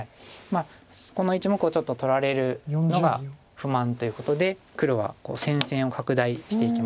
この１目をちょっと取られるのが不満ということで黒は戦線を拡大していきました。